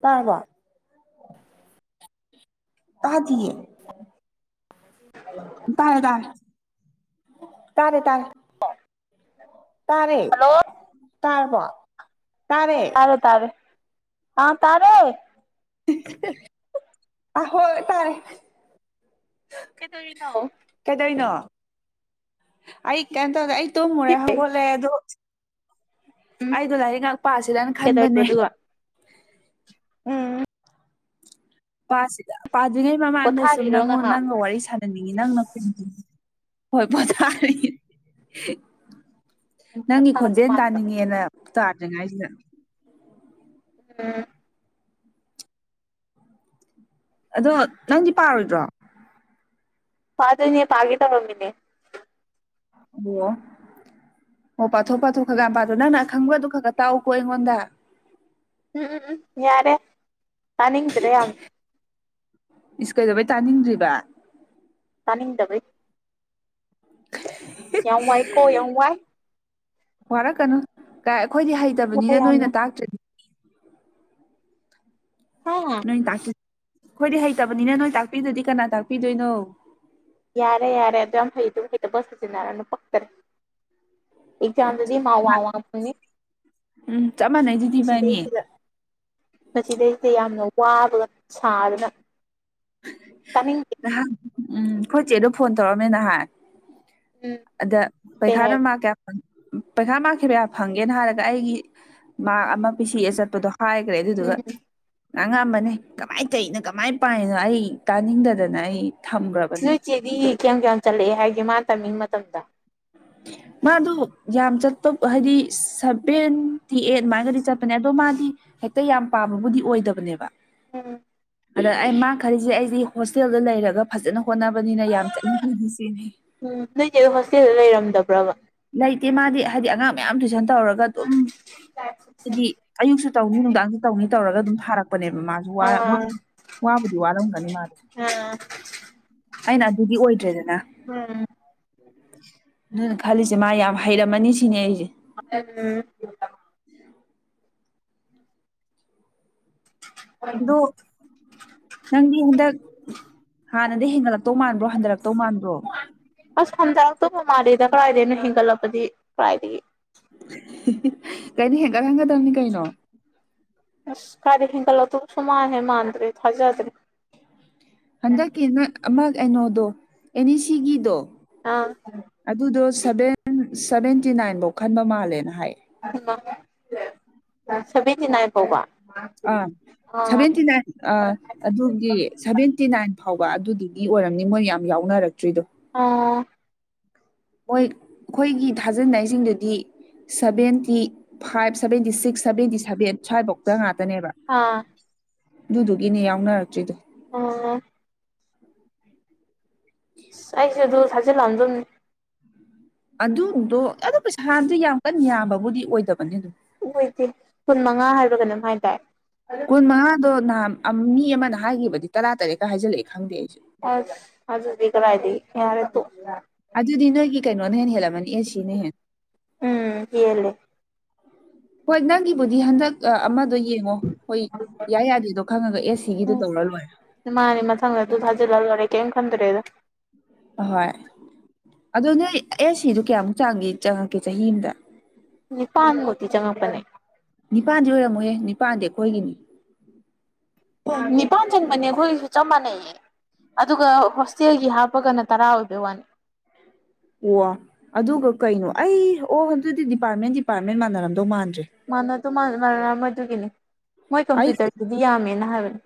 ꯇꯥꯔꯕꯣ ꯇꯥꯗꯤꯌꯦ [unintelligible] ꯇꯥꯔꯦ ꯇꯥꯔꯦ ꯇꯥꯔꯦ ꯇꯥꯔꯦ ꯇꯥꯔꯦ ꯍꯜꯂꯣ ꯇꯥꯔꯕ ꯇꯥꯔꯦ ꯇꯥꯔꯦ ꯇꯥꯔꯦ ꯑꯥ ꯇꯥꯔꯦ ꯑꯍꯣꯏ ꯇꯥꯏ ꯀꯩꯗꯧꯔꯤꯅꯣ ꯀꯩꯗꯣꯏꯅꯣ ꯑꯩ ꯀꯦꯝ ꯇꯧꯗꯦ ꯑꯩ ꯇꯨꯝꯃꯨꯔꯦ ꯍꯤꯞꯄꯦ ꯍꯧꯒꯠꯂꯦ ꯑꯗꯣ ꯎꯝ ꯑꯩꯗꯣ ꯂꯥꯏꯔꯤꯛ ꯉꯥꯛ ꯄꯥꯁꯤꯔꯅ ꯀꯩꯗꯧꯔꯤꯕ ꯈꯟꯕꯅꯦ ꯑꯗꯨꯒ ꯎꯝ ꯄꯥꯁꯤꯗ ꯑꯄꯥꯗꯨ꯭ꯔꯤꯉꯩ ꯃꯃꯥꯡꯗ ꯁꯨꯝ ꯄꯣꯊꯥꯔꯤꯔꯣ ꯅꯪꯉꯣꯟ ꯉꯥꯏꯍꯥꯛ ꯅꯪꯒ ꯋꯥꯔꯤ ꯁꯥꯟ ꯆꯅꯤꯡꯉꯤ ꯅꯪ ꯅꯪꯈꯣꯟ ꯍꯣꯏ ꯄꯣꯊꯥꯔꯤ ꯅꯪꯒꯤ ꯄꯣꯊꯥꯕ ꯈꯣꯟꯖꯦꯜ ꯃꯥꯟꯕ ꯇꯥꯅꯤꯡꯉꯦꯅ ꯇꯥꯗ꯭ꯔꯤꯉꯥꯏꯁꯤꯗ ꯎꯝ ꯑꯗꯣ ꯅꯪꯗꯤ ꯄꯥꯔꯣꯏꯗ꯭ꯔꯣ ꯄꯥꯗꯣꯏꯅꯦ ꯄꯥꯒꯦ‌ ꯇꯧꯔꯝꯃꯤꯅꯦ ꯑꯣ ꯑꯣ ꯄꯥꯊꯣꯛ ꯄꯥꯊꯣꯛ ꯈꯔ ꯈꯔ‌‌ꯌꯥꯝ ꯄꯥꯊꯣꯛꯑꯣ ꯅꯪ ꯈꯪꯕꯗꯨꯣ ꯈꯔ ꯈꯔ ꯇꯥꯛꯎꯀꯣ ꯑꯩꯉꯣꯟꯗ ꯎꯝ ꯎꯝ ꯎꯝ ꯌꯥꯔꯦ ꯇꯥꯅꯤꯡꯗ꯭ꯔꯦ ꯌꯥꯝ ꯏꯁ ꯀꯩꯗꯧꯕꯩ ꯇꯥꯅꯤꯡꯗ꯭ꯔꯤꯕ ꯇꯥꯅꯤꯡꯗꯕꯩ [inaudible] ꯌꯥꯝ ꯋꯥꯏ ꯀꯣ ꯌꯥꯝ ꯋꯥꯏ ꯋꯥꯔꯛꯀꯅꯨ ꯀꯥꯏ ꯑꯩꯈꯣꯏꯗꯤ ꯋꯥꯏ ꯍꯩꯇꯕꯅꯤꯅ ꯌꯥꯝꯅ ꯅꯣꯏꯅ ꯇꯥꯛꯇ꯭ꯔꯗꯤ ꯍꯥ ꯅꯣꯏ ꯇꯥꯛꯇ ꯑꯩꯈꯣꯏꯗꯤ ꯍꯩꯇꯕꯅꯤꯅ ꯅꯣꯏ ꯇꯥꯛꯄꯤꯗꯗꯤ ꯀꯅꯥ ꯇꯥꯛꯄꯤꯗꯣꯏꯅꯣ ꯌꯥꯔꯦ ꯌꯥꯔꯦ ꯑꯗꯨ ꯌꯥꯝ ꯍꯩꯗꯨꯕꯨ ꯍꯩꯇꯕ ꯁꯥꯁꯤꯟꯅꯔꯅꯨ ꯄꯛꯇꯔꯦ ꯑꯦꯛꯖꯥꯝꯗꯗꯤ ꯃꯥꯛ ꯋꯥꯡ ꯋꯥꯡ ꯐꯪꯅꯤ ꯎꯝ ꯆꯞ ꯃꯥꯟꯅꯩꯗꯨꯗꯤ ꯏꯕꯥꯅꯤ ꯁꯤꯗꯩꯁꯤꯗ ꯃꯁꯤꯗꯩꯁꯤꯗ ꯌꯥꯝꯅ ꯋꯥꯕꯒ ꯁꯥꯗꯅ ꯇꯥꯅꯤꯡꯗꯦ ꯅꯍꯥꯟ ꯎꯝ ꯑꯩꯈꯣꯏꯆꯦꯗꯣ ꯐꯣꯟ ꯇꯧꯔꯝꯃꯦ ꯅꯍꯥꯟ ꯎꯝ ꯑꯗ ꯀꯩ ꯄꯩꯈꯥꯅ ꯍꯥꯏꯕ ꯃꯥꯛ ꯀꯌꯥ ꯑꯡ ꯎꯝ ꯄꯩꯈꯥ ꯃꯥꯛꯀꯤ ꯀꯌꯥ ꯐꯪꯒꯦꯅ ꯍꯥꯏꯔꯒ ꯑꯩꯒꯤ ꯃꯥꯛ ꯑꯃ ꯄꯤꯁꯤ ꯑꯆꯠꯄꯗꯣ ꯍꯥꯏꯒ꯭ꯔꯦ ꯎꯝ ꯑꯗꯨꯗꯨꯒ ꯉꯥꯡꯉꯑꯝꯕꯅꯤ ꯀꯃꯥꯏꯅ ꯇꯧꯏꯅꯣ ꯀꯃꯥꯏꯅ ꯄꯥꯏꯅ [unintelligible] ꯑꯩ ꯇꯥꯅꯤꯡꯗꯗꯅ ꯑꯩ ꯊꯝꯈ꯭ꯔꯕꯅꯦ ꯅꯣꯏꯆꯦꯗꯤ ꯀꯌꯥꯝ ꯀꯌꯥꯝ ꯆꯠꯂꯛꯑꯦ ꯍꯥꯏꯒꯦ ꯃꯥꯅ ꯇꯝꯃꯤ ꯃꯇꯝꯗ [unintelligible] ꯃꯥꯗꯣ ꯌꯥꯝ ꯆꯠꯄ ꯍꯥꯏꯗꯤ ꯁꯚꯦꯟꯇꯤ ꯑꯩꯠ ꯑꯗꯨꯃꯥꯏꯅꯗꯤ ꯆꯠꯄꯅꯦ ꯑꯗꯣ ꯃꯥꯗꯤ ꯍꯦꯛꯇ ꯌꯥꯝ ꯄꯥꯕꯕꯨꯗꯤ ꯑꯣꯏꯗꯕꯅꯦꯕ ꯎꯝ ꯎꯝ ꯑꯗ ꯑꯩ ꯃꯥꯡꯈꯜꯂꯤꯁꯤ ꯑꯩꯖꯤ ꯍꯣꯁꯇꯦꯜꯗ ꯂꯩꯔꯒ ꯐꯖꯅ ꯍꯣꯠꯅꯕꯅꯤꯅ ꯌꯥꯝ ꯆꯠꯅꯤꯡꯒꯝꯅꯤ ꯁꯤꯅꯤ ꯎꯝ ꯅꯣꯏꯆꯦ ꯍꯣꯏ ꯍꯣꯁꯇꯦꯜꯗ ꯂꯩꯔꯝꯗꯕ꯭ꯔꯥꯕ ꯂꯩꯇꯦ ꯃꯥꯗꯤ ꯍꯥꯏꯗꯤ ꯑꯉꯥꯡ ꯃꯌꯥꯝ ꯇꯨꯏꯁꯟ ꯇꯧꯔꯒ ꯑꯗꯨꯝ ꯍꯥꯏꯗꯤ ꯑꯌꯨꯛꯁꯨ ꯇꯧꯅꯤ ꯅꯨꯡꯗꯥꯡꯁꯨ ꯇꯧꯅꯤ ꯇꯧꯔꯒ ꯑꯗꯨꯝ ꯊꯥꯔꯛꯄꯅꯦꯕ ꯃꯥꯁꯨ ꯋꯥ ꯑꯥ ꯋꯥꯕꯗꯤ ꯋꯥꯕꯨꯗꯤ ꯋꯥꯔꯝꯒꯅꯤ ꯃꯥꯗꯤ ꯑꯥ ꯑꯩꯅ ꯑꯗꯨꯗꯤ ꯑꯣꯏꯗ꯭ꯔꯦꯗꯅ ꯎꯝ ꯅꯣꯏꯅ ꯈꯜꯂꯤꯁꯦ ꯃꯥ ꯌꯥꯝ ꯍꯩꯔꯝꯃꯅꯤ ꯁꯤꯅꯦ ꯑꯩꯖꯦ [unintelligible] ꯑꯗꯣ ꯅꯪꯗꯤ ꯍꯟꯗꯛ ꯍꯥꯟꯅꯗꯩ ꯍꯦꯟꯒꯠꯂꯛꯇꯧ ꯃꯥꯟꯕ꯭ꯔꯣ ꯍꯟꯗꯔꯛꯇꯧ ꯃꯥꯟꯕ꯭ꯔꯣ ꯑꯁ ꯍꯟꯊꯔꯛꯇꯧꯕ ꯃꯥꯜꯂꯦꯗ ꯀꯔꯥꯏꯗꯩꯅꯣ ꯍꯦꯟꯒꯠꯂꯛꯄꯗꯤ ꯀꯔꯥꯏꯗꯒꯤ ꯍꯤ ꯍꯤ ꯀꯩꯅꯣ ꯍꯦꯟꯒꯠ ꯍꯟꯒꯗꯕꯅꯤ ꯀꯩꯅꯣ ꯑꯁ ꯀꯥꯏꯗꯩ ꯍꯦꯟꯒꯠꯂꯛꯇꯧꯕꯨ ꯁꯨꯃꯥꯟ ꯍꯦꯛ ꯃꯥꯟꯗ꯭ꯔꯦ ꯊꯥꯖꯗ꯭ꯔꯦ ꯍꯟꯗꯛꯀꯤ ꯅꯣꯏ ꯑꯃ ꯑꯩꯅꯣꯗꯣ ꯑꯦꯅꯤꯁꯤꯒꯤꯗꯣ ꯑꯥ ꯑꯗꯨꯗꯣ ꯁꯚꯦꯟ ꯁꯚꯦꯟꯇꯤ ꯅꯥꯏꯟ ꯕꯧ ꯈꯟꯕ ꯃꯥꯜꯂꯦꯅ ꯍꯥꯏꯌꯦ [unintelligible] ꯁꯚꯦꯟꯇꯤ ꯅꯥꯏꯟ ꯐꯥꯎꯕ ꯑꯥ ꯑꯥ ꯁꯚꯦꯟꯇꯤꯅꯥꯏꯟ ꯑꯥ ꯑꯗꯨꯒꯤ ꯁꯚꯦꯟꯇꯤ ꯅꯥꯏꯟ ꯐꯥꯎꯕ ꯑꯗꯨꯗꯨꯒꯤ ꯑꯣꯏꯔꯝꯅꯤ ꯃꯣꯏ ꯌꯥꯝ ꯌꯥꯎꯅꯔꯛꯇ꯭ꯔꯤꯗꯣ ꯑꯣ ꯍꯣꯏ ꯑꯩꯈꯣꯏꯒꯤ ꯊꯥꯖꯤꯟꯅꯩ ꯁꯤꯡꯗꯨꯗꯤ seventy five seventy six seventy seven ꯁ꯭ꯋꯥꯏꯕꯥꯎꯇ ꯉꯥꯛꯇꯅꯦꯕ ꯑꯥ ꯑꯗꯨꯗꯨꯒꯤꯅꯦ ꯌꯥꯎꯅꯔꯛꯇ꯭ꯔꯤꯗꯣ ꯑꯣ ꯑꯁ ꯑꯩꯁꯦ ꯑꯗꯨ ꯊꯥꯖꯤꯜꯂꯝꯗꯨꯝꯅꯤ ꯑꯗꯨꯗꯣ ꯑꯗꯨ ꯄꯩꯁꯥꯗꯤ ꯌꯥꯝ ꯀꯟ ꯌꯥꯝꯕꯕꯨꯗꯤ ꯑꯣꯏꯗꯕꯅꯦ ꯑꯗꯨꯝ ꯑꯣꯏꯗꯦ ꯀꯨꯟꯃꯉꯥ ꯍꯥꯏꯕ꯭ꯔ ꯀꯩꯅꯣꯝ ꯍꯥꯏꯗꯥꯏ꯫ ꯀꯨꯟꯃꯉꯥꯗꯣ ꯅꯍꯥꯟ ꯑꯝ ꯃꯤ ꯑꯃꯅ ꯍꯥꯏꯈꯤꯕꯗꯤ ꯇꯔꯥ ꯇꯔꯦꯠꯀ ꯍꯥꯏꯖꯜꯂꯛꯑꯦ ꯈꯪꯗꯦ ꯑꯩꯁꯨ꯫ ꯑꯁ ꯊꯥꯖꯗꯦ ꯀꯔꯥꯏꯗꯩ ꯌꯥꯔꯦ ꯇꯣꯛꯑꯣ꯫ ꯑꯗꯨꯗꯤ ꯅꯣꯏꯒꯤ ꯀꯩꯅꯣꯅ ꯍꯦꯟꯅ ꯍꯦꯜꯂꯝꯃꯅꯤ ꯑꯦꯁ ꯁꯤꯅ ꯍꯦꯟ꯫ ꯎꯝ ꯍꯦꯜꯂꯦ꯫ ꯍꯣꯏ ꯅꯪꯒꯤꯕꯨꯗꯤ ꯍꯟꯗꯛ ꯑꯃꯗꯣ ꯌꯦꯡꯉꯣ ꯍꯣꯏ ꯌꯥꯏ ꯌꯥꯗꯦꯗꯣ ꯈꯪꯉꯒ ꯑꯦꯁ ꯁꯤꯒꯤꯗꯨ ꯇꯧꯔ ꯂꯣꯏꯔꯦ꯫ ꯃꯥꯅꯤ ꯃꯊꯪ ꯑꯗꯨ ꯊꯥꯖꯤꯜꯂ ꯂꯣꯏꯔꯦ ꯀꯩꯝ ꯈꯟꯗ꯭ꯔꯦꯗ꯫ ꯑꯍꯣꯏ ꯑꯗꯣ ꯅꯣꯏ ꯑꯦꯁ ꯁꯤꯗꯨ ꯀꯌꯥꯃꯨꯛ ꯆꯥꯡꯒꯤ ꯆꯪꯉꯛꯀꯦ ꯆꯍꯤ ꯑꯝꯗ ꯅꯤꯄꯥꯟ ꯃꯨꯛꯇꯤ ꯆꯪꯉꯛ ꯄꯅꯦ꯫ ꯅꯤꯄꯥꯥꯟꯗꯤ ꯑꯣꯏꯔꯝꯃ‌ꯣꯏꯍꯦ ꯅꯤꯄꯥꯥꯟꯗꯤ ꯑꯩꯈꯣꯏꯒꯤꯅꯤ ꯅꯤꯄꯥꯟ ꯆꯪꯕꯅ‌ꯦ ꯑꯈ‌ꯣꯏꯁꯨ ꯆꯞ ꯃꯥꯟꯅꯩꯌꯦ ꯑꯗꯨꯒ ꯍꯣꯁꯇꯦꯜꯒꯤ ꯍꯥꯞꯄꯒꯅ ꯇꯔꯥ ꯑꯣꯏꯕꯣꯏ ꯋꯥꯅꯤ ꯋꯥ ꯑꯗꯨꯒ ꯀꯩꯅꯣ ꯑꯩ ꯑꯣ ꯑꯗꯨꯗꯤ ꯗꯤꯄꯥꯔꯠꯃꯦꯟ ꯗꯤꯄꯥꯔꯠꯃꯦꯟ ꯃꯥꯟꯅꯔꯝꯗ‌ꯧ ꯃꯥꯟꯗ꯭ꯔꯦ ꯃꯥꯟꯅꯗꯨ ꯃ ꯃꯥꯟꯅꯔꯝꯃ‌ꯣꯏ ꯗꯨꯒꯤꯅꯤ ꯃꯣꯏ ꯑꯩ ꯀꯝꯄ꯭ꯌꯨꯇꯔꯒꯤꯗꯤ ꯌꯥꯝꯃꯦꯅ ꯍꯥꯏꯕꯅꯦ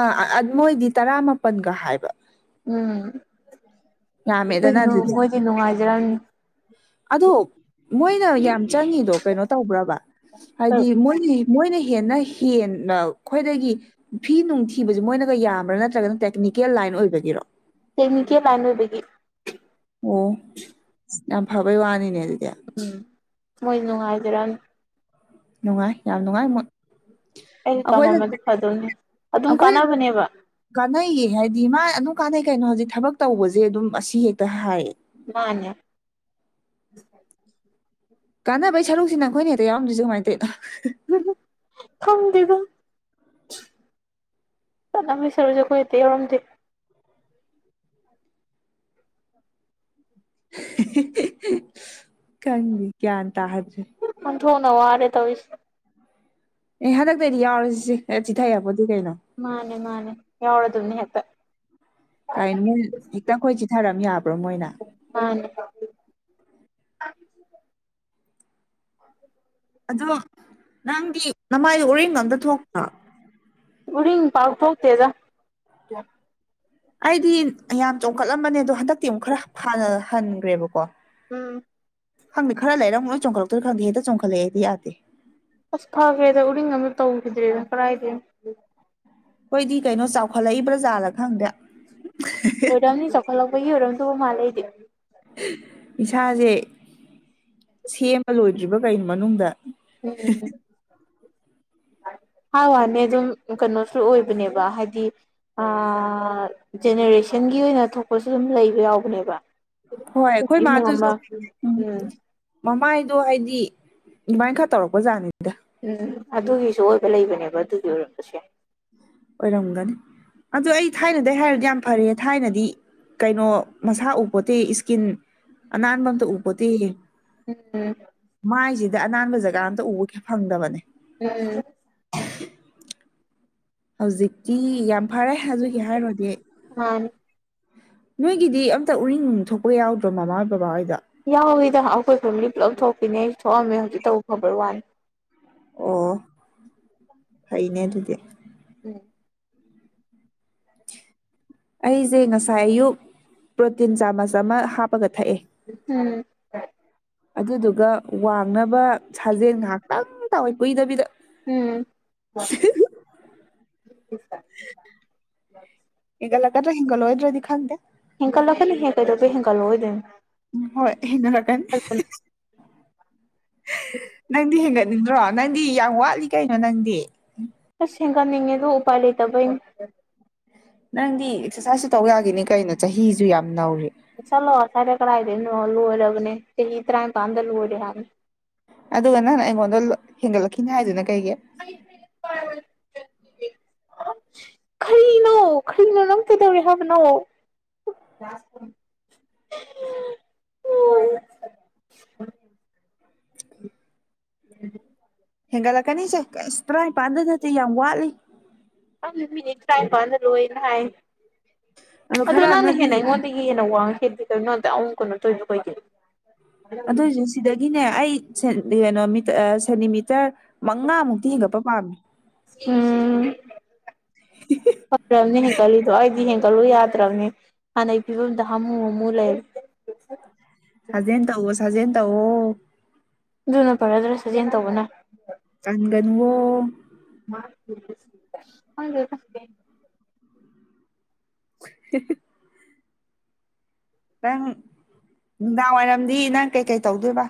ꯑꯥ ꯑ ꯃꯣꯏꯗꯤ ꯇꯔꯥꯃꯄꯟꯒ ꯍꯥꯏꯕ ꯎꯝ ꯌꯥꯝꯃꯦꯗꯅ ꯀꯩꯅ‌ꯣ ꯑꯗꯨꯗꯤ ꯃꯣꯏꯗꯤ ꯅꯨꯡꯉꯥꯏꯖꯔꯝꯅꯤ ꯑꯗꯣ ꯃꯣꯏꯅ ꯌꯥꯝ ꯆꯪꯉꯤꯗꯣ ꯀꯩꯅꯣ ꯇꯧꯕ꯭ꯔꯕ ꯍꯥꯏꯗꯤ ꯃꯣꯏꯒꯤ ꯃꯣꯏꯅ ꯍꯦꯟꯅ ꯍꯦꯟꯅ ꯈ‌ꯣꯏꯗꯒꯤ ꯐꯤ ꯅꯨꯡꯊꯤꯕꯁꯦ ꯃꯣꯏꯅꯒ ꯌꯥꯝꯕ꯭ꯔꯥ ꯅꯠꯇ꯭ꯔꯒꯅ ꯇꯦꯛꯅꯤꯀꯦꯜ ꯂꯥꯏꯟ ꯑꯣꯏꯕꯒꯤꯔꯣ ꯇꯦꯛꯅꯤꯀꯦꯜ ꯂꯥꯏꯟ ꯑꯣꯏꯕꯒꯤ ꯑꯣ ꯌꯥꯝ ꯐꯕꯩ ꯋꯥꯅꯤꯅꯦ ꯑꯗꯨꯗꯤ ꯎꯝ ꯃꯣꯏ ꯅꯨꯡꯉꯥꯏꯖꯔꯝ ꯅꯨꯡꯉꯥꯏ ꯌꯥꯝ ꯅꯨꯡꯉꯥꯏ ꯃ‌ꯣꯏ ꯑꯩꯁꯨ ꯇꯝꯃꯝꯃꯗꯤ ꯐꯗꯧꯅꯤ ꯑꯗꯨꯝ ꯑꯩꯈꯣꯏꯅ ꯀꯥꯟꯅꯕꯅꯦꯕ ꯀꯥꯟꯅꯩꯌꯦ ꯍꯥꯏꯗꯤ ꯃꯥ ꯑꯗꯨꯝ ꯀꯥꯟꯅꯩ ꯀꯩꯅꯣ ꯍꯧꯖꯤꯛ ꯊꯕꯛ ꯇꯧꯕꯖ‌ꯦ ꯑꯗꯨꯝ ꯑꯁꯤ ꯍꯦꯛꯇ ꯍꯥꯏꯌꯦ ꯃꯥꯅꯦ ꯀꯥꯟꯅꯕꯩ ꯁꯔꯨꯛꯁꯤꯅ ꯈꯣꯏꯅ ꯍꯦꯛꯇ ꯌꯥꯎꯔꯝꯗ꯭ꯔꯤꯁ‌ꯦ ꯀꯃꯥꯏ ꯇꯧꯏꯅꯣ ꯈꯪꯗ‌ꯦꯗ [unintelligible] ꯁꯨꯔꯁꯨ ꯈꯣꯏ ꯍ‌ꯦꯛꯇ ꯌꯥꯎꯔꯝꯗꯦ [inaudible] [inaudible] ꯈ‌ꯪꯗ‌ꯦ ꯒ꯭ꯌꯥꯟ ꯇꯥꯗ꯭ꯔꯦ ꯑꯣꯟꯊ‌ꯣꯛꯅ ꯋꯥꯔꯦ ꯇꯧꯋꯤꯁ ꯑꯦ ꯍꯟꯗꯛꯇꯩꯗꯤ ꯌꯥꯎꯔꯁꯤꯁꯦ ꯑ ꯆꯤꯊ ꯌꯥꯄ‌‌ꯣꯠꯇ‌ꯦ ꯀꯩꯅꯣ ꯃꯥꯅꯦ ꯃꯥꯅꯦ ꯌꯥꯎꯔꯗꯨꯝꯅ‌ꯦ ꯍ‌ꯦꯛꯇ ꯀꯥꯏꯅꯣ ꯃꯣꯏ ꯍꯦꯛꯇ ꯑꯈꯣꯏ ꯆꯤꯊꯔꯝ ꯌꯥꯕ꯭ꯔꯣ ꯃꯣꯏꯅ ꯃꯥꯅ‌ꯦ ꯑꯗꯣ ꯅꯪꯗꯤ ꯅꯃꯥꯏ ꯎꯔꯤꯡꯒ ꯑꯝꯇ ꯊꯣꯛꯇ꯭ꯔꯣ ꯎꯔꯤꯡ ꯄꯥꯛ ꯊ‌ꯣꯛꯇꯦꯗ ꯑꯩꯗꯤ ꯌꯥꯝ ꯆꯣꯡꯈꯠꯂꯝꯕꯅꯦ ꯑꯗꯣ ꯍꯟꯗꯛꯇꯤ ꯑꯃꯨꯛ ꯈꯔ ꯍꯜ ꯍꯟꯈ꯭ꯔꯦꯕꯀꯣ ꯎꯝ ꯈꯪꯗꯦ ꯈꯔ ꯂꯩꯔꯃꯨꯛ ꯂ‌ꯣꯏ ꯆꯣꯡꯈꯠꯂꯛꯇꯣꯏꯔ ꯈꯪꯗꯦ ꯍꯦꯛꯇ ꯆꯣꯡꯈꯠꯂꯛꯑꯦ ꯑꯩꯗꯤ ꯌꯥꯗꯦ ꯑꯁ ꯐꯈ꯭ꯔꯦꯗ ꯎꯔꯤꯡꯒ ꯑꯝ ꯇꯧꯈꯤꯗ꯭ꯔꯦꯗ ꯀꯔꯥꯏꯗꯩ ꯑꯩꯈꯣꯏꯗꯤ ꯀꯩꯅꯣ ꯆꯥꯎꯈꯠꯂꯛꯏꯕ꯭ꯔꯥꯖꯥꯠꯂꯥ ꯈꯪꯗ‌ꯦ ꯑꯣꯏꯔꯝꯅꯤ ꯆꯥꯎꯈꯠꯂꯛꯄꯒꯤ ꯑꯣꯏꯔꯝꯗꯨꯕ ꯃꯥꯜꯂ‌ꯦ ꯑꯩꯗꯤ ꯏꯁꯥ ꯖꯦ ꯁꯦꯝꯕ ꯂꯣꯏꯗ꯭ꯔꯤꯕ ꯀꯔꯤꯅꯣ ꯃꯅꯨꯡꯗ ꯎꯝ ꯍꯥ ꯋꯥꯅꯦ ꯑꯗꯨꯝ ꯀꯩꯅꯣꯁꯨ ꯑꯣꯏꯕꯅꯦꯕ ꯍꯥꯏꯗꯤ ꯑꯥ ꯖꯦꯅꯦꯔꯦꯁꯟꯒꯤ ꯑꯣꯏꯅ ꯊꯣꯛꯄꯁꯨ ꯑꯗꯨꯝ ꯂꯩꯕ ꯌꯥꯎꯕꯅꯦꯕ ꯍꯣꯏ ꯑꯩꯈꯣꯏ ꯏꯃꯨꯡ ꯃꯥꯗꯨꯁꯨ ꯑꯃ [inaudible] ꯎꯝ ꯃꯃꯥꯏꯗꯣ ꯍꯥꯏꯗꯤ ꯑꯗꯨꯃꯥꯏꯅ ꯈꯔ ꯇꯧꯔꯛꯄꯖꯥꯠꯅꯤꯗ ꯎꯝ ꯑꯗꯨꯒꯤꯁꯨ ꯑꯣꯏꯕ ꯂꯩꯕꯅꯦꯕ ꯑꯗꯨꯒꯤ ꯑꯣꯏꯔꯝꯕꯁꯨ ꯌꯥꯏ ꯑꯣꯏꯔꯝꯒꯅꯤ ꯑꯗꯨ ꯑꯩ ꯊꯥꯏꯅꯗꯩ ꯍꯥꯏꯔꯣꯗꯤ ꯌꯥꯝ ꯐꯥꯔꯦꯍꯦ ꯊꯥꯏꯅꯗꯤ ꯀꯩꯅꯣ ꯃꯁꯥ ꯎꯄꯣꯠꯇꯦ ꯏꯁꯀꯤꯟ ꯑꯅꯥꯟꯕ ꯑꯝꯇ ꯎꯄꯣꯠꯇꯦꯌꯦ ꯎꯝ ꯃꯥꯏꯖꯤꯗ ꯑꯅꯥꯟꯕ ꯖꯒꯥ ꯑꯝꯇꯥ ꯎꯒꯦ ꯐꯪꯗꯕꯅꯦ ꯎꯝ ꯍꯧꯖꯤꯛꯇꯤ ꯌꯥꯝ ꯐꯔꯦ ꯑꯗꯨꯒꯤ ꯍꯥꯏꯔꯨꯔꯗꯤ ꯑꯩ ꯃꯥꯅꯤ ꯅꯣꯏꯒꯤꯗꯤ ꯑꯝꯇꯥ ꯎꯔꯤꯡ ꯅꯨꯡ ꯊꯣꯛꯄ ꯌꯥꯎꯗ꯭ꯔꯣ ꯃꯃꯥ ꯍꯣꯏ ꯕꯕꯥ ꯍꯣꯏꯗꯣ ꯌꯥꯎꯋꯤꯗ ꯑꯩꯈꯣꯏ ꯐꯦꯃꯤꯂꯤ ꯄꯨꯂꯞ ꯊꯣꯛꯄꯤꯅꯦ ꯑꯩ ꯊꯣꯛꯑꯝꯃꯦ ꯍꯧꯖꯤꯛ ꯇꯥꯕꯨ ꯐꯕꯩ ꯋꯥꯅꯤ ꯑꯣ ꯐꯩꯅꯦ ꯑꯗꯨꯗꯤ ꯎꯝ ꯑꯩꯖꯦ ꯉꯁꯥꯏ ꯑꯌꯨꯛ ꯄ꯭ꯔꯣꯇꯤꯟ ꯆꯥꯃꯁ ꯑꯃ ꯍꯥꯞꯄꯒ ꯊꯛꯑꯦ ꯎꯝ ꯑꯗꯨꯗꯨꯒ ꯋꯥꯡꯅꯕ ꯁꯥꯖꯦꯜ ꯉꯥꯏꯍꯥꯛꯇꯪ ꯇꯧꯋꯦ ꯀꯨꯏꯗꯕꯤꯗ ꯎꯝ ꯍꯦꯟꯒꯠꯂꯛꯀꯥꯗ꯭ꯔꯥ ꯍꯦꯟꯒꯠꯂꯣꯏꯗ꯭ꯔꯥꯗꯤ ꯈꯪꯗꯦ ꯍꯦꯟꯀꯠꯂꯛꯀꯥꯅꯤꯍꯦ ꯀꯩꯗꯧꯕꯩ ꯍꯦꯟꯒꯠꯂꯥꯑꯣꯏꯗꯣꯏꯅꯣ ꯎꯝ ꯍꯣꯏ ꯍꯦꯟꯒꯠꯂꯛꯀꯥꯅꯤ ꯅꯪꯗꯤ ꯍꯦꯟꯒꯠꯅꯤꯡꯗ꯭ꯔꯣ ꯅꯪꯗꯤ ꯌꯥꯝ ꯋꯥꯠꯂꯤ ꯀꯩꯅꯣ ꯅꯪꯗꯤ ꯑꯁ ꯍꯦꯟꯒꯟꯅꯤꯡꯉꯦꯗꯣ ꯎꯄꯥꯏ ꯂꯩꯇꯕꯩꯅꯤ ꯅꯪꯗꯤ ꯑꯦꯛꯁꯔꯁꯥꯏꯁꯁꯨ ꯇꯧ ꯌꯥꯒꯤꯅꯤ ꯀꯩꯅꯣ ꯆꯍꯤꯖꯨ ꯌꯥꯝ ꯅꯧꯔꯤ ꯆꯂꯣ ꯑꯁꯥꯏꯗ ꯀꯔꯥꯏꯗꯩꯅꯣ ꯂꯣꯏꯔꯕꯅꯤ ꯆꯍꯤ ꯇꯔꯥꯅꯤꯄꯥꯟꯗ ꯂꯣꯏꯔꯦ ꯍꯥꯏꯕꯅꯤ ꯑꯗꯨꯒ ꯅꯪꯅ ꯑꯩꯉꯣꯟꯗ ꯍꯦꯟꯒꯠꯂꯛꯈꯤꯅꯤ ꯍꯥꯏꯗꯨꯅ ꯀꯩꯒꯤ [inaudible] ꯈꯥꯔꯤꯅꯣ ꯈꯥꯔꯤꯅꯣ ꯅꯪ ꯀꯩꯗꯧꯔꯦ ꯍꯥꯏꯕꯅꯣ [inaudible] ꯍꯦꯟꯒꯠꯂꯛꯀꯅꯤꯁꯦ ꯑꯁ ꯇꯔꯥꯅꯤꯄꯥꯟꯗ ꯅꯠꯇꯦ ꯌꯥꯝ ꯋꯥꯠꯂꯤ ꯈꯪꯗꯦ ꯃꯤꯅꯗꯤ ꯇꯔꯥꯅꯤꯄꯥꯟꯗ ꯂꯣꯏꯅ ꯍꯥꯏ ꯑꯗꯣ ꯈꯔ ꯅꯪꯅ ꯍꯦꯟꯅ ꯑꯃꯅꯗꯤ ꯑꯩꯉꯣꯟꯗꯒꯤ ꯒꯤ ꯍꯦꯟꯅ ꯋꯥꯡꯉꯤ ꯀꯩꯩꯅꯣ [unintelligible] ꯅꯪ ꯑꯗꯨꯛꯌꯝ ꯀꯩꯅꯣ ꯇꯧꯔꯤꯗꯣ ꯀꯩꯒꯤꯅꯣ ꯑꯗꯨꯏꯖꯨ ꯁꯤꯗꯒꯤꯅꯦ ꯑꯩ [unintelligible] ꯁꯦꯟꯇꯤꯃꯤꯇꯔ ꯃꯉꯥꯃꯨꯛꯇꯤ ꯍꯦꯟꯒꯠꯄ ꯄꯥꯝꯃꯦ ꯎꯝ ꯐ꯭ꯔꯕꯅꯦ ꯍꯦꯟꯒꯠꯂꯤꯗꯣ ꯑꯩꯗꯤ ꯍꯦꯟꯒꯠꯂꯨ ꯌꯥꯗ꯭ꯔꯕꯅꯦ ꯍꯥꯟꯅꯩ ꯐꯤꯕꯝꯗ ꯍꯥꯃꯨ ꯍꯥꯃꯨ ꯂꯩꯔꯦ ꯁꯥꯖꯦꯟ ꯇꯧꯋꯣ ꯁꯥꯖꯦꯟ ꯇꯧꯋꯣ ꯑꯗꯨꯅ ꯐꯔꯗ꯭ꯔꯥ ꯁꯥꯖꯦꯟ ꯇꯧꯕꯅ ꯇꯟꯒꯥꯅꯨꯋꯣ ꯈꯪꯗꯦꯗ [unintelligible] ꯅꯪ ꯅꯨꯡꯗꯥꯡꯋꯥꯏꯔꯝꯗꯤ ꯅꯪ ꯀꯩꯀꯩ ꯇꯧꯗꯣꯏꯕ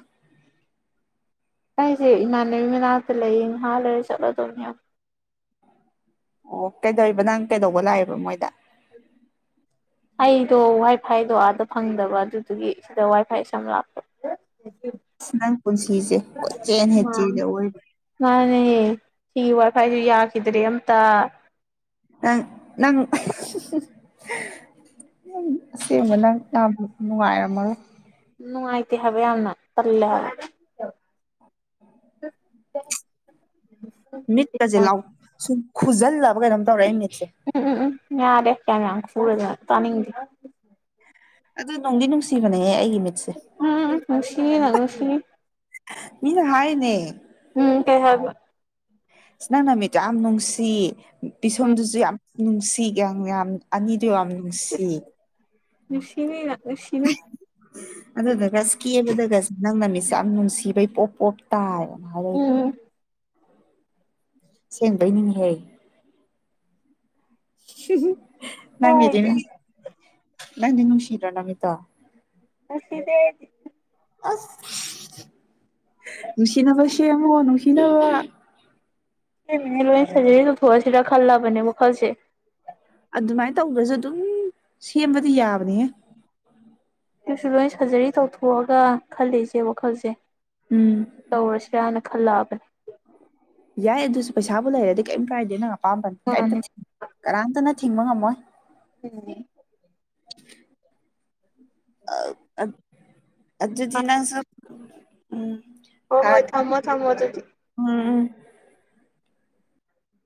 ꯑꯩꯁꯦ ꯏꯃꯥꯟꯅꯕꯤ ꯃꯅꯥꯛꯇ ꯂꯩꯌꯦ ꯉꯍꯥꯜ ꯂꯩꯔ ꯆꯠꯂꯗꯧꯅꯦ ꯑꯣ ꯀꯩꯗꯧꯔꯤꯕ ꯅꯪ ꯀꯩꯗꯧꯕ ꯂꯥꯛꯏꯦꯕ ꯃꯣꯏꯗ ꯑꯩꯗꯣ ꯋꯥꯏ ꯐꯥꯏꯗꯣ ꯑꯥꯗ ꯐꯪꯗꯕ ꯑꯗꯨꯗꯨꯒꯤ ꯁꯤꯗ ꯋꯥꯏ ꯐꯥꯏ ꯁꯝ ꯂꯥꯛꯄ ꯑꯁ ꯅꯪ ꯄꯨꯟꯁꯤꯁꯦ ꯀꯣꯏꯆꯦꯟ ꯍꯦꯛ ꯃꯥꯅꯦ ꯆꯦꯜꯂꯤ ꯑꯑꯣꯏꯕ ꯃꯥꯅꯦ ꯁꯤꯒꯤ ꯋꯥꯏꯐꯥꯏꯁꯨ ꯌꯥꯈꯤꯗ꯭ꯔꯦ ꯑꯝꯇ ꯅꯪ ꯅꯪ ꯎꯝ ꯑꯁꯦꯡꯕ ꯅꯪ ꯌꯥꯝ ꯅꯨꯡꯉꯥꯏꯔꯝꯃꯔꯣꯏ ꯅꯨꯡꯉꯥꯏꯇꯦ ꯍꯥꯏꯕ ꯌꯥꯝꯅ ꯇꯜꯂꯦ ꯍꯥꯏꯕ ꯃꯤꯠꯇꯀꯁꯦ ꯂꯥꯎ ꯁꯨꯝ ꯈꯨꯖꯜꯂꯕ ꯀꯩꯅꯣꯝ ꯇꯧꯔꯦ ꯑꯩ ꯃꯤꯠꯁꯦ ꯎꯝ ꯎꯝ ꯎꯝ ꯌꯥꯔꯦ ꯀꯌꯥ ꯌꯥꯝ ꯈꯨꯨꯔꯗꯅ ꯇꯥꯅꯤꯡꯗꯦ ꯑꯗꯣ ꯅꯨꯡꯗꯤ ꯅꯨꯡꯁꯤꯕꯅꯦꯍꯦ ꯑꯩꯒꯤ ꯃꯤꯠꯁꯦ ꯑꯥ ꯑꯥ ꯅꯨꯡꯁꯤꯌꯦ ꯅꯪ ꯅꯨꯡꯁꯤꯅꯤ ꯃꯤꯅ ꯍꯥꯏꯔꯤꯅꯦ ꯎꯝ ꯀꯩ ꯍꯥꯏꯕ ꯏꯁ ꯅꯪ ꯅꯃꯤꯠꯇꯣ ꯌꯥꯝ ꯅꯨꯡꯁꯤ ꯎꯝ ꯄꯤꯁꯨꯝꯗꯨꯁꯨ ꯌꯥꯝ ꯅꯨꯡꯁꯤ ꯌꯥꯝ ꯌꯥꯝ ꯑꯅꯤꯗꯨ ꯌꯥꯝ ꯏꯁ ꯅꯨꯡꯁꯤ ꯏꯁ‌ ꯅꯨꯡꯁꯤꯅꯤ ꯅꯪ ꯅꯨꯡꯁꯤꯅꯤ ꯑꯗꯨꯗꯨꯒ ꯀꯦꯕꯗꯒꯁꯨ ꯅꯪꯅ ꯅꯃꯤꯠꯁꯦ ꯌꯥꯝ ꯅꯨꯡꯁꯤꯕꯩ ꯄꯣꯞ ꯄꯣꯞ ꯇꯥꯏ ꯍꯥꯏꯔꯛꯏꯕ ꯎꯝ ꯑꯁꯦꯡꯕꯩꯅꯤꯅꯦꯍꯦ ꯅꯪꯒꯤꯗꯤ ꯍꯣꯏꯗ [unintelligible] ꯅꯪꯗꯤ ꯅꯨꯡꯁꯤꯗꯔꯣ ꯅꯃꯤꯠꯇꯣ ꯅꯨꯡꯁꯤꯗꯦ ꯑꯩꯗꯤ ꯑꯁ ꯅꯨꯡꯁꯤꯅꯕ ꯁꯦꯝꯃꯣ ꯅꯨꯡꯁꯤꯅꯕ ꯑꯩꯕꯨꯗꯤ ꯂꯣꯏꯅ ꯁꯔꯖꯔꯤ ꯇꯧꯊꯣꯛꯑꯁꯤꯔ ꯈꯜꯂꯕꯅꯦ ꯋꯥꯈꯜꯁꯦ ꯑꯗꯨꯃꯥꯏꯅ ꯇꯧꯗꯔꯁꯨ ꯑꯗꯨꯝ ꯁꯦꯝꯕꯗꯤ ꯌꯥꯕꯅꯤꯍꯦ ꯑꯗꯨꯁꯨ ꯂꯣꯏ ꯁꯔꯖꯔꯤ ꯇꯧꯊꯣꯛꯑꯒ ꯈꯜꯂꯤꯁꯦ ꯋꯥꯈꯜꯁꯦ ꯎꯝ ꯇꯧꯔꯁꯤꯔꯅ ꯈꯜꯂꯛꯑꯕꯅꯤ ꯌꯥꯏ ꯑꯗꯨꯁꯨ ꯄꯩꯁꯥꯕꯨ ꯂꯩꯔꯗꯤ ꯀꯔꯤꯝ ꯀꯥꯏꯗꯦ ꯅꯪ ꯑꯄꯥꯝꯕꯅꯤ ꯀꯔꯤꯝꯇ ꯃꯥꯅꯤ ꯀꯅꯥꯝꯇꯅ ꯊꯤꯡꯕ ꯉꯝꯃꯣꯏ ꯎꯝ ꯑꯠ ꯑꯗꯨꯗꯤ ꯅꯪꯁꯨ ꯎꯝ ꯍꯣꯢ ꯀꯥ ꯍꯣꯏ ꯊꯝꯃꯣ ꯊꯝꯃꯣ ꯑꯗꯨꯗꯤ ꯎꯝ ꯎꯝ